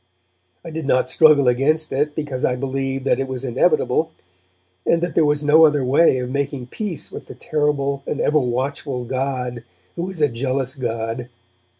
I did not struggle against it, because I believed that it was inevitable, and that there was no other way of making peace with the terrible and ever watchful 'God who is a jealous God'.